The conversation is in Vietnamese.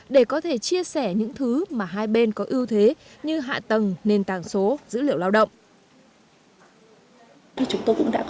để có thể chia sẻ những thứ mà hai bên có ưu thế như hạ tầng nền tảng số dữ liệu lao động